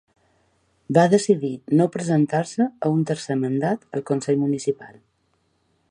Va decidir no presentar-se a un tercer mandat al consell municipal.